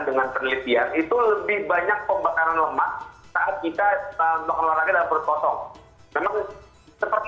dengan penelitian itu lebih banyak pembakaran lemak saat kita makan olahraga dalam perut kosong